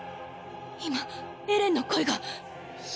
今エレンの声が。